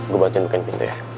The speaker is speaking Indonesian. gua bantu nyentuhin pintu ya